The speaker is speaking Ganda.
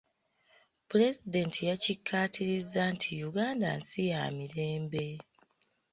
Pulezidenti yakikaatirizza nti Uganda nsi ya mirembe.